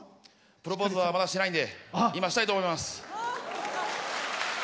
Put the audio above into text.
プロポーズはまだしてないんで今したいと思います。